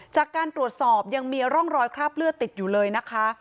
จากการตรวจสอบยังมีร่องรอยคราบเลือดติดอยู่เลยนะคะ